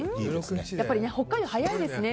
やっぱり北海道は早いですね。